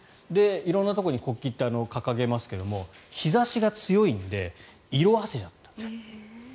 色んなところに国旗って掲げますけど日差しが強いんで色あせちゃった。